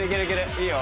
いいよ。